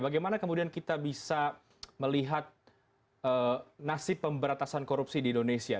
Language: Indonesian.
bagaimana kemudian kita bisa melihat nasib pemberantasan korupsi di indonesia